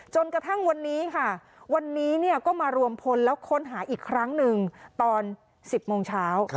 จนกระทั่งวันนี้ค่ะวันนี้ก็มารวมพลแล้วค้นหาอีกครั้งหนึ่งตอน๑๐โมงเช้า